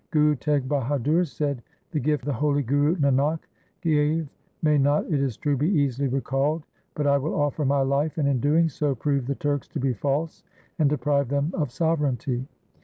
Guru Teg Bahadur said, ' The gift the Holy Guru Nanak gave may not, it is true, be easily recalled. But I will offer my life and in doing so prove the Turks to be false and deprive them of sovereignty.